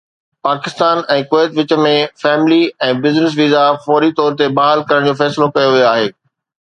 Pakistan ۽ Kuwait وچ ۾ family ۽ business visa فوري طور تي بحال ڪرڻ جو فيصلو ڪيو ويو آهي